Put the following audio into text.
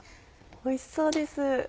おいしそうです。